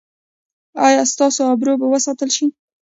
ایا ستاسو ابرو به وساتل شي؟